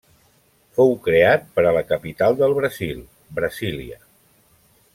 Fou creat per a la capital del Brasil, Brasília.